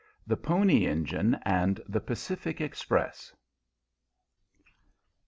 THE PONY ENGINE AND THE PACIFIC EXPRESS.